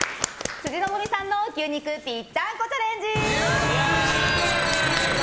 辻希美さんの牛肉ぴったんこチャレンジ！